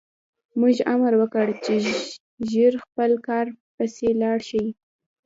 موږ امر وکړ چې ژر خپل کار پسې لاړ شي